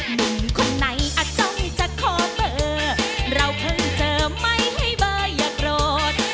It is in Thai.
หนุ่มคนไหนอาจต้องจะขอเบอร์เราเพิ่งเจอไม่ให้เบอร์อย่าโกรธ